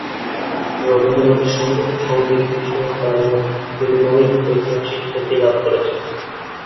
রবীন্দ্রনাথের সঙ্গে সঙ্গীত বিষয়ে তার মতবিনিময় ঐতিহাসিক খ্যাতি লাভ করেছে।